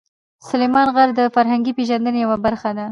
سلیمان غر د فرهنګي پیژندنې یوه برخه ده.